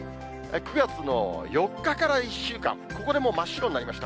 ９月の４日から１週間、ここでもう真っ白になりました。